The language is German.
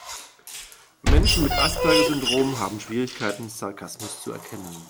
Menschen mit Asperger-Syndrom haben Schwierigkeiten, Sarkasmus zu erkennen.